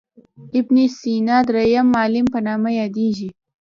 ابن سینا درېم معلم په نامه یادیږي.